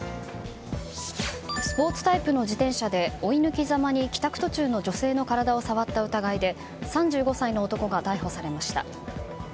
スポーツタイプの自転車で追い抜きざまに帰宅途中の女性の体を触った疑いで３５歳の男が逮捕されました。